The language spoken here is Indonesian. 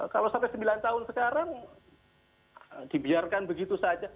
kalau sampai sembilan tahun sekarang dibiarkan begitu saja